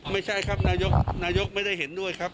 ไม่ใช่ครับนายกไม่ได้เห็นด้วยครับ